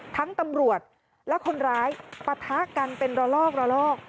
ทั้งตำบวชและคนร้ายปะทะกันเป็นรอลอก